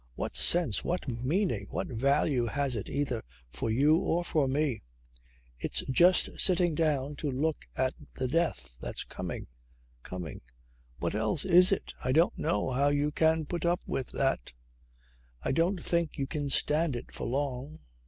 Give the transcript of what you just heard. What sense, what meaning, what value has it either for you or for me? It's just sitting down to look at the death, that's coming, coming. What else is it? I don't know how you can put up with that. I don't think you can stand it for long.